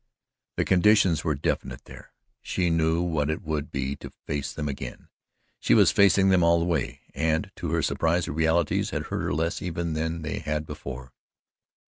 The conditions were definite there: she knew what it would be to face them again she was facing them all the way, and to her surprise the realities had hurt her less even than they had before.